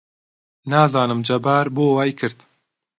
نازانم جەبار بۆ وای کرد.